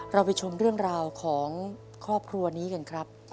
เราไปชมเรื่องราวของครอบครัวนี้กันครับ